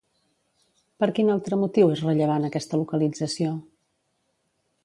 Per quin altre motiu és rellevant aquesta localització?